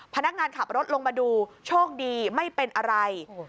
พนักงานขับรถลงมาดูโชคดีไม่เป็นอะไร